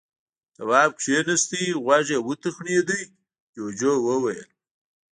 تواب کېناست. غوږ يې وتخڼېد. جُوجُو وويل: